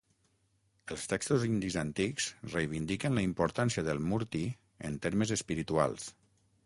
Els textos indis antics reivindiquen la importància del "murti" en termes espirituals.